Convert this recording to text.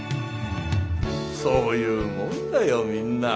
そういうもんだよみんな。